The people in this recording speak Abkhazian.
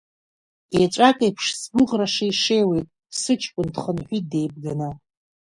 Еҵәак еиԥш сгәӷра шеишеиуеит, сыҷкән дхынҳәит деибганы.